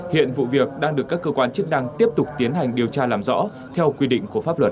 hiện vụ việc đang được các cơ quan chức năng tiếp tục tiến hành điều tra làm rõ theo quy định của pháp luật